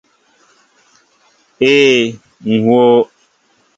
Ee, ŋ wóó.